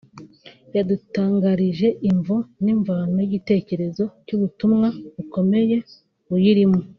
yadutangarije imvo n’imvano y’igitekerezo cy’ubutumwa bukomeye buyirimo